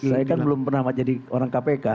saya kan belum pernah jadi orang kpk